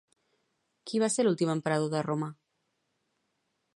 Qui va ser l'últim emperador de Roma?